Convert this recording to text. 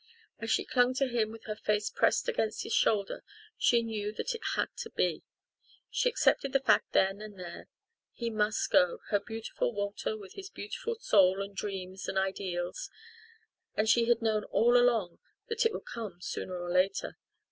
As she clung to him with her face pressed against his shoulder she knew that it had to be. She accepted the fact then and there. He must go her beautiful Walter with his beautiful soul and dreams and ideals. And she had known all along that it would come sooner or later.